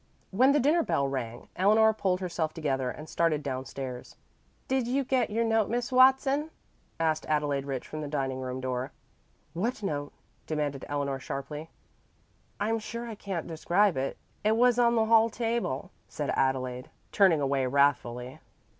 When the dinner bell rang, Eleanor pulled herself together and started down stairs. "Did you get your note, Miss Watson?" asked Adelaide Rich from the dining room door. "What note?" demanded Eleanor sharply. "I'm sure I can't describe it. It was on the hall table," said Adelaide, turning away wrathfully.